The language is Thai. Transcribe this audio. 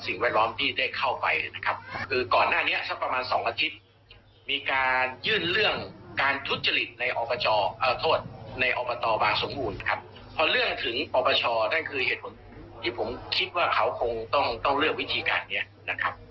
นั่นคือเหตุผลที่ผมคิดว่าเขาคงต้องเลือกวิธีการนี้นะครับ